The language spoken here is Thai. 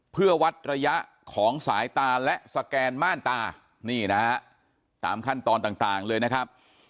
เพื่อวัดระยะของสายตาและสแกนม่านตานี่นะฮะตามขั้นตอนต่างเลยนะครับ